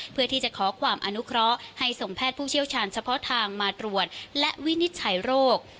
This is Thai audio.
เพื่อที่จะขอความอนุเคราะห์ให้ส่งแพทย์ผู้เชี่ยวชาญเฉพาะทางมาตรวจและวินิจฉัยโรค